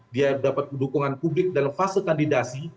dia dapat pendukungan publik dalam fase kandidasi